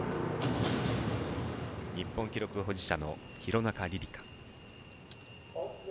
日本記録保持者の廣中璃梨佳。